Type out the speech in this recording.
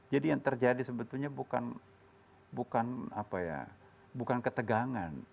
jadi yang terjadi sebetulnya bukan ketegangan